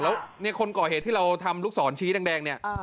แล้วเนี่ยคนก่อเหตุที่เราทำลูกศรชี้แดงเนี่ย